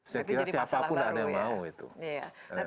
saya kira siapapun tidak ada yang mau